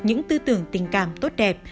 những tư tưởng tình cảm tốt đẹp